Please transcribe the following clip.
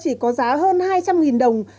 chỉ có giá hơn hai trăm linh đồng